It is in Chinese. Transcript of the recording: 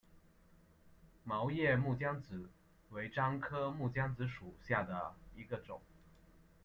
毛叶木姜子为樟科木姜子属下的一个种。